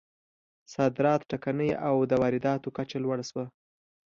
صادرات ټکني او د وارداتو کچه لوړه شوه.